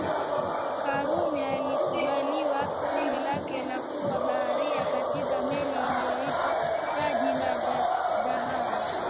Karume alikubaliwa ombi lake la kuwa baharia katika meli iliyoitwa Taji la Dhahabu